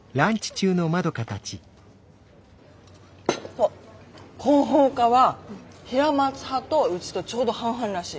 そう広報課は平松派とうちとちょうど半々らしい。